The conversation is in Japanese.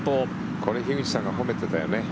これ、樋口さんが褒めてたよね。